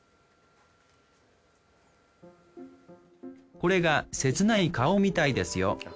これが切ない顔みたいですよ